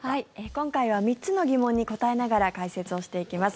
今回は３つの疑問に答えながら解説していきます。